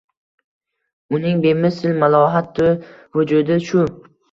Uning bemisl malohati vujudi shu